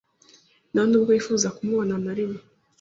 nta nubwo yifuza kumubona na rimwe